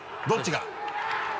どっちが？